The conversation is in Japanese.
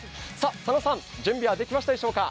佐野さん、準備はできましたでしょうか？